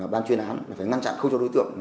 ban chuyên án phải ngăn chặn không cho đối tượng